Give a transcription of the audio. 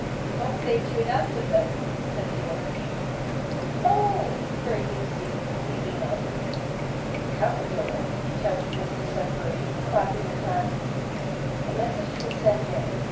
"What say to a dance with them?" said George. "Oh!" cried Lucy, leaping up. "Capital!" shouted Mr Sudberry, clapping his hands. A message was sent in.